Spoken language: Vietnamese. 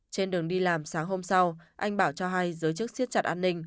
trên đường đi làm sáng hôm sau anh bảo cho hay giới chức siết chặt an ninh